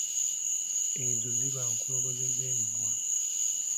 Ezo ziba enkoloboze z'emimwa.